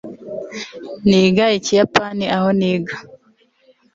niga ikiyapani aho niga